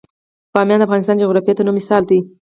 بامیان د افغانستان د جغرافیوي تنوع مثال دی.